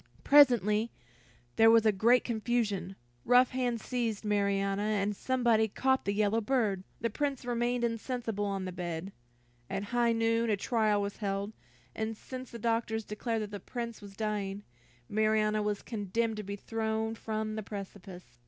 Presently there was a great confusion, rough hands seized Marianna, and somebody caught the yellow bird. The Prince remained insensible on the bed. At high noon, a trial was held, and since the doctors declared that the Prince was dying, Marianna was condemned to be thrown from the precipice.